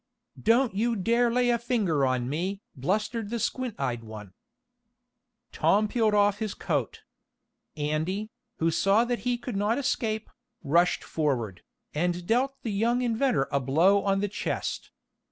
"Don't you dare lay a finger on me!" blustered the squint eyed one. Tom peeled off his coat. Andy, who saw that he could not escape, rushed forward, and dealt the young inventor a blow on the chest.